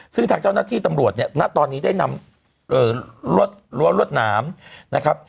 ซึ่งทางเจ้าหน้าที่ตำรวจเนี่ยณตอนนี้ได้นำรั้วรวดหนามนะครับ